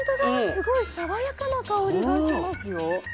すごい爽やかな香りがしますよ。